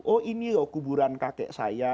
oh ini loh kuburan kakek saya